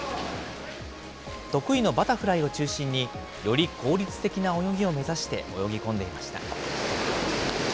得意のバタフライを中心に、より効率的な泳ぎを目指して泳ぎ込んでいました。